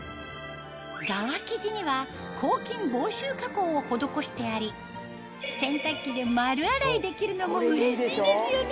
側生地にはを施してあり洗濯機で丸洗いできるのもうれしいですよね！